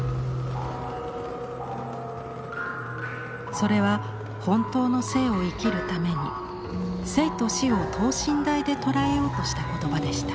それは本当の生を生きるために生と死を等身大で捉えようとした言葉でした。